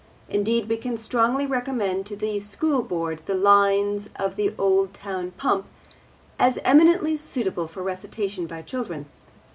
Indeed, we can strongly recommend to the School Board the Lines on the Old Town Pump as eminently suitable for recitation by children.